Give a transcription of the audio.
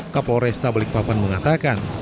kapolresta balikpapan mengatakan